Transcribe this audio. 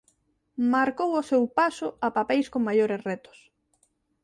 Marcou o seu paso a papeis con maiores retos.